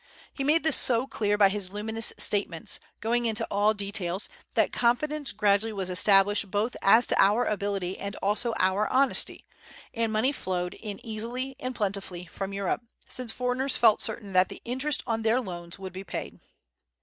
He made this so clear by his luminous statements, going into all details, that confidence gradually was established both as to our ability and also our honesty; and money flowed in easily and plentifully from Europe, since foreigners felt certain that the interest on their loans would be paid.